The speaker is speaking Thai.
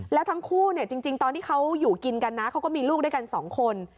แล้วทั้งคู่เนี่ยจริงตอนที่เขาอยู่กินกันนะเขาก็มีลูกด้วยกันสองคน